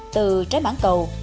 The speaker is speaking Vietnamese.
từ trái mảng cầu